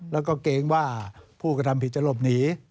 แล้วก็เกรงว่าผู้กระทำผิดจะหลบหนี